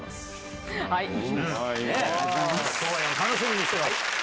共演楽しみにしてます！